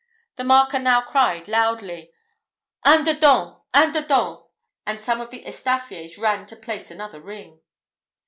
The marker now cried loudly, "Un dedans! un dedans!" and some of the estaffiers ran to place another ring.